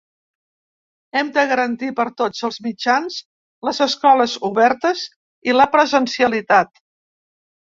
Hem de garantir per tots els mitjans les escoles obertes i la presencialitat.